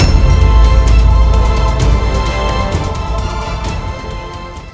tidak ada jalan lain lagi